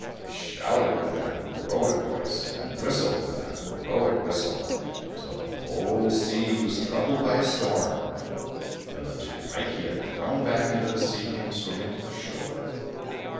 He shouted with an heroic voice, and whistled with an heroic whistle, till the whole sea was troubled by a storm. Then the two pike he had thrown back into the sea came swimming to the shore.